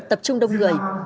tập trung đông người